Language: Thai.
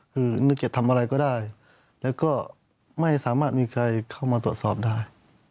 คือนึกจะทำอะไรก็ได้แล้วก็ไม่สามารถมีใครเข้ามาตรวจสอบได้